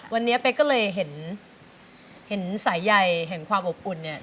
วันนี้เป๊กก็เลยเห็นสายใยแห่งความอบอุ่นเนี่ย